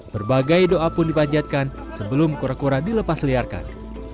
berbagai doa pun dipanjatkan sebelum kura kura dilepas liarkan